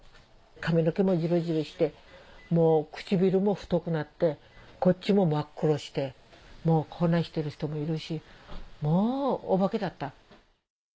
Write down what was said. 髪の毛もジリジリしてもう唇も太くなってこっちも真っ黒してもうこんなしてる人もいるしもうお化けだった。